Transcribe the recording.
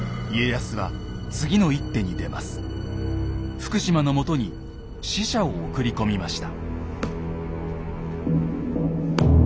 福島のもとに使者を送り込みました。